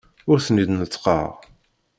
Ur ten-id-neṭṭqeɣ.